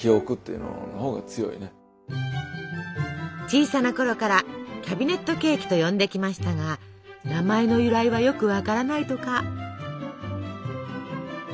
小さなころから「キャビネットケーキ」と呼んできましたが名前の由来はよくわからないとか。